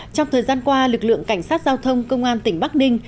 trong thời gian qua lực lượng cảnh sát giao thông công an tỉnh bắc ninh